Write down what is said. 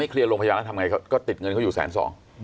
เคลียร์โรงพยาบาลแล้วทำไงก็ติดเงินเขาอยู่แสนสอง